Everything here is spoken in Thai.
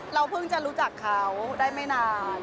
เพิ่งจะรู้จักเขาได้ไม่นาน